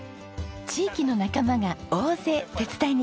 地域の仲間が大勢手伝いに来てくれました。